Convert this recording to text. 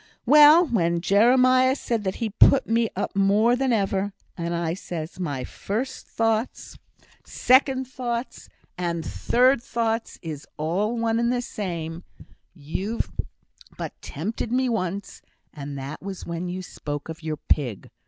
Well! when Jeremiah said that, he put me up more than ever, and I says, 'My first thoughts, second thoughts, and third thoughts is all one and the same; you've but tempted me once, and that was when you spoke of your pig.